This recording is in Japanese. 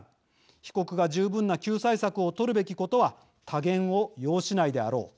被告が、十分な救済策を執るべきことは多言を要しないであろう。